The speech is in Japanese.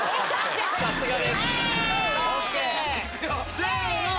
せの！